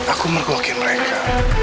aku mergoki mereka